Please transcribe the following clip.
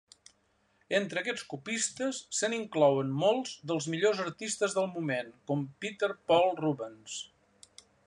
Entre aquests copistes se n'inclouen molts dels millors artistes del moment, com Peter Paul Rubens.